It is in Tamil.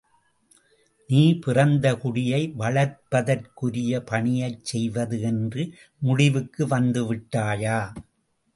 நீ பிறந்த குடியை வளர்ப்பதற்குரிய பணியைச் செய்வது என்ற முடிவுக்கு வந்துவிட்டாயா?